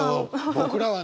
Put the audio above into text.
僕らはね